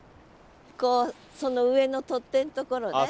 こうその上の取っ手のところね。